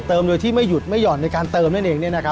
เติมโดยที่ไม่หยุดไม่หย่อนในการเติมนั่นเองเนี่ยนะครับ